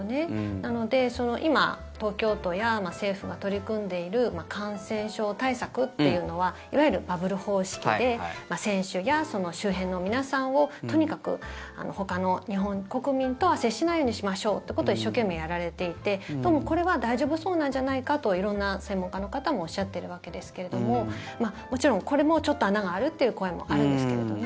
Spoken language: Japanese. なので今、東京都や政府が取り組んでいる感染症対策というのはいわゆるバブル方式で選手や周辺の皆さんをとにかく、ほかの日本国民とは接しないようにしましょうということを一生懸命やられていてどうもこれは大丈夫そうなんじゃないかと色んな専門家の方もおっしゃっているわけですけどももちろん、これもちょっと穴があるという声もあるんですけれどね。